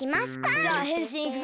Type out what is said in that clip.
じゃあへんしんいくぞ！